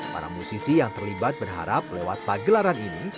para musisi yang terlibat berharap lewat pagelaran ini